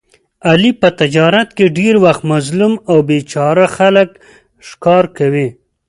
علي په تجارت کې ډېری وخت مظلوم او بې چاره خلک ښکار کوي.